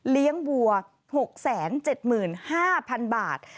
เลี้ยงบัวหกแสนเจ็ดหมื่นห้าพันบาท